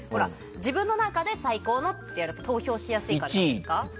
自分の中で最高のといわれると投票しやすいからじゃないですか。